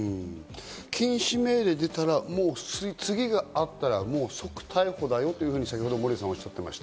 禁止命令が出たら、もう次があったら即逮捕だよと守屋さんは先ほどおっしゃっていました。